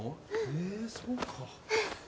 へぇそうか。